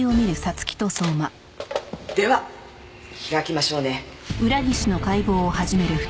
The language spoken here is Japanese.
では開きましょうね。